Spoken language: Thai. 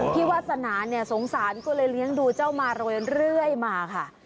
วาสนาเนี่ยสงสารก็เลยเลี้ยงดูเจ้ามารวยเรื่อยมาค่ะ